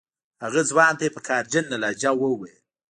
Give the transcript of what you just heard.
هغه ځوان ته یې په قهرجنه لهجه وویل.